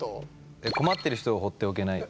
「困ってる人を放っておけない」。